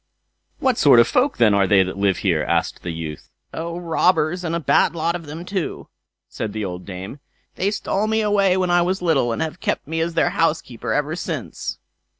"What sort of folk, then, are they who live here?" asked the youth. "Oh, robbers! And a bad lot of them too", said the old dame. "They stole me away when I was little, and have kept me as their housekeeper ever since."